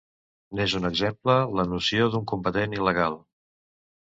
N'és un exemple la noció d'un combatent il·legal.